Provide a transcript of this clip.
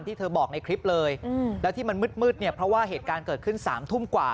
เพราะว่าเหตุการณ์เกิดขึ้น๓ทุ่มกว่า